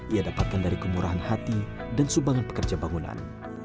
ia dapatkan dari kemurahan hati dan sumbangan pekerja bangunan